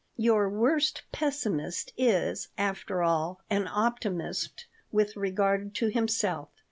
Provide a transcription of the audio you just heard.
Your worst pessimist is, after all, an optimist with regard to himself.